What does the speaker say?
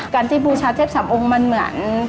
การที่บูชาเทพสามองค์มันเหมือน